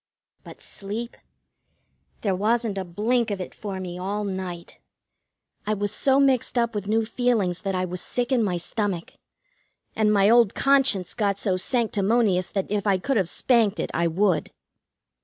But sleep? There wasn't a blink of it for me all night. I was so mixed up with new feelings that I was sick in my stomach, and my old conscience got so sanctimonious that if I could have spanked it I would.